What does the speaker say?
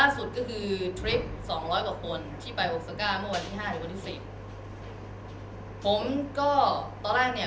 สุดก็คือทริป๒๐๐กว่าคนที่ไปโอ้สเก้าเมื่อวันที่๕และวันที่๑๐